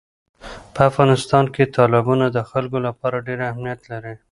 په افغانستان کې تالابونه د خلکو لپاره ډېر اهمیت لري.